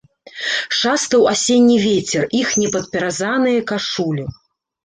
Шастаў асенні вецер іх непадпяразаныя кашулі.